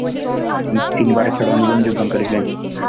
তিনি ভারত ছাড়ো আন্দোলনে যোগদান করেছিলেন।